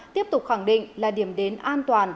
tiếp tục khẳng định là điểm đến an toàn